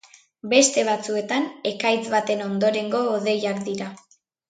Beste batzuetan ekaitz baten ondorengo hodeiak dira.